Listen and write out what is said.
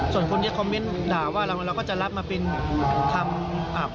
ส่วนคนที่คอมเมนต์ด่าว่าเราก็จะรับมาเป็นทำ